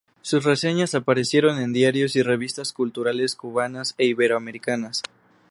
Sus reseñas aparecieron en diarios y revistas culturales cubanas e iberoamericanas.